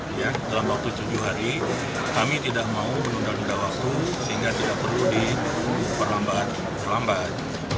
ya dalam waktu tujuh hari kami tidak mau menunda nunda waktu sehingga tidak perlu diperlambat